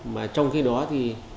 mà trong khi đó thì